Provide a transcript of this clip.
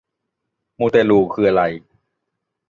มูเตลูคืออะไร